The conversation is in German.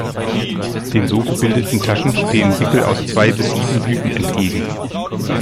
Den so gebildeten Taschen stehen Wickel aus zwei bis sieben Blüten entgegen.